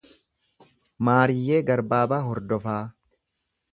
Maariyyee Garbaabaa Hordofaa